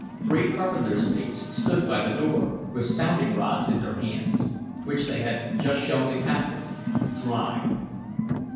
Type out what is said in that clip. Three carpenters' mates stood by the door, with sounding rods in their hands, which they had just shown the captain dry.